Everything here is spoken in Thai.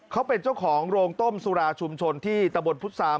เขาเป็นเจ้าของโรงต้มสุราชุมชนที่ตะบนพุทธศาม